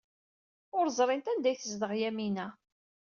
Ur ẓrint anda ay tezdeɣ Yamina.